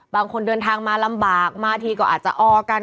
บางคนเดินทางมาลำบากมาทีก็อาจจะออกัน